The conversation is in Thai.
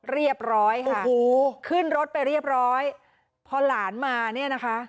เรียบร้อยค่ะโอ้โหขึ้นรถไปเรียบร้อยพอหลานมาเนี่ยนะคะ